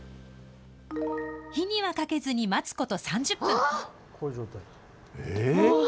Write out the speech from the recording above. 火にはかけずに待つこと３０分。